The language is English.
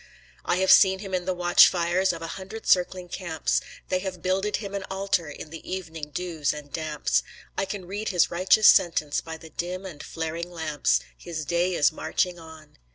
I have seen Him in the watch fires of a hundred circling camps; They have builded Him an altar in the evening dews and damps; I can read his righteous sentence by the dim and flaring lamps; His day is marching on.